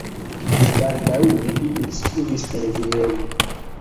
Baldaŭe li instruis en Vieno.